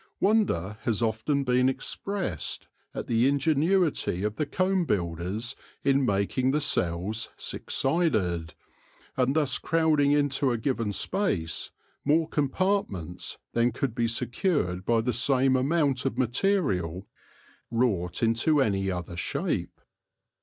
Wonder has often been expressed at the ingenuity of the comb builders in making the cells six sided, and thus crowding into a given space more compartments than could be secured by the same amount of material wrought into any other shape.